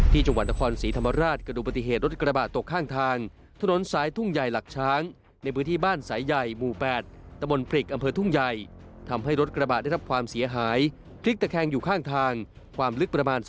ที่จังหวัดนครศรีธรรมราชกระดูกปฏิเหตุรถกระบะตกข้างทางถนนสายทุ่งใหญ่หลักช้างในพื้นที่บ้านสายใหญ่หมู่๘ตะบนพริกอำเภอทุ่งใหญ่ทำให้รถกระบะได้รับความเสียหายพลิกตะแคงอยู่ข้างทางความลึกประมาณ